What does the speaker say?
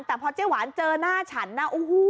แต่พอเจ๊หวานเจอหน้าฉันนะโอ้โห